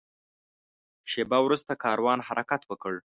شېبه وروسته کاروان حرکت وکړ.